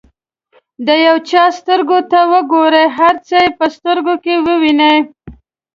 د یو چا سترګو ته وګورئ هر څه یې په سترګو کې ووینئ.